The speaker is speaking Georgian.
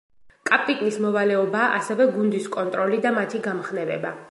კაპიტნის მოვალეობაა ასევე გუნდის კონტროლი და მათი გამხნევება.